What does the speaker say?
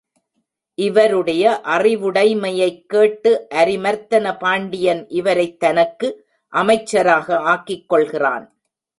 இவருடைய அறிவுடைமையைக் கேட்டு, அரிமர்த்தன பாண்டியன் இவரைத் தனக்கு அமைச்சராக ஆக்கிக்கொள்கிறான்.